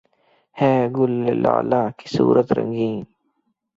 ہیں گل لالہ کی صورت رنگیں